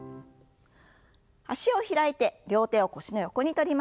脚を開いて両手を腰の横に取りましょう。